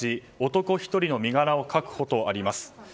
男１人の身柄を確保とあります。